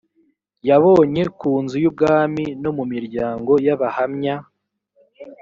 yabonye ku nzu y ubwami no mu miryango y abahamya